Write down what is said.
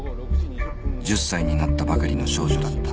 １０歳になったばかりの少女だった